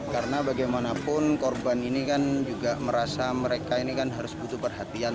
karena bagaimanapun korban ini kan juga merasa mereka ini kan harus butuh perhatian